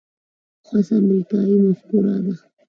خاصه امریکايي مفکوره ده.